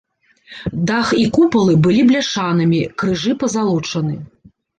Дах і купалы былі бляшанымі, крыжы пазалочаны.